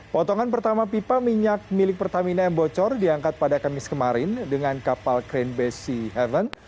potongan pertama pipa minyak milik pertamina yang bocor diangkat pada kamis kemarin dengan kapal crane base heaven